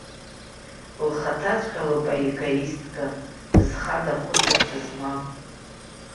Лхаҭаҵәҟьа лоуп аегоистка, зхада хәыцырҭа змам.